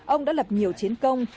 ông đã lập nhiều chiến công